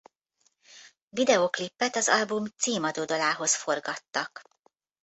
Videóklipet az album címadó dalához forgattak.